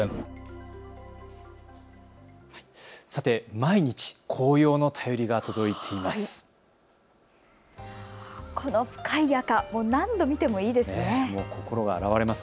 毎日、紅葉の便りが届いています。